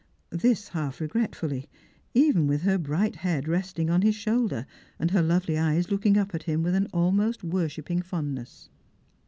This half regretfully, even with her bright head resting on his shoulder, her lovely eyes looking up at him with an almost worshipping fondness.